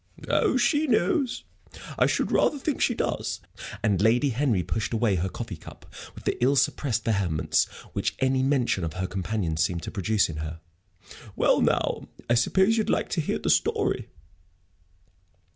"Oh, she knows. I should rather think she does." And Lady Henry pushed away her coffee cup with the ill suppressed vehemence which any mention of her companion seemed to produce in her. "Well, now, I suppose you'd like to hear the story."